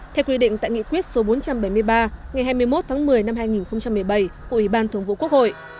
theo quy định tại nghị quyết số bốn trăm bảy mươi ba ngày hai mươi một tháng một mươi năm hai nghìn một mươi bảy của ủy ban thường vụ quốc hội